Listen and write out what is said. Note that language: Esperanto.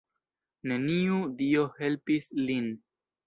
Neniu dio helpis lin.